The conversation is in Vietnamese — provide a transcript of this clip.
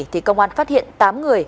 thì công an phát hiện tám người